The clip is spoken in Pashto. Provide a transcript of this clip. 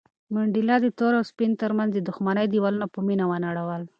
منډېلا د تور او سپین تر منځ د دښمنۍ دېوالونه په مینه ونړول.